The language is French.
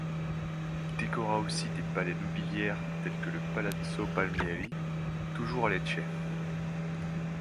Il décora aussi des palais nobiliaires tels que le Palazzo Palmieri, toujours à Lecce.